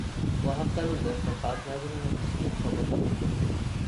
ওয়াহাব তালুকদার তার পাঁচ ভাইবোনের মধ্যে ছিলেন সবার চতুর্থ।